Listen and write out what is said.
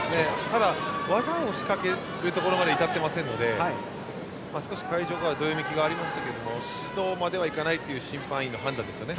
ただ、技を仕掛けるところまでには至っていませんので少し会場からはどよめきがありましたけれども指導までは行かないという審判員の判断ですね。